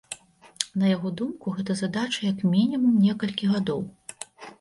На яго думку, гэта задача як мінімум некалькіх гадоў.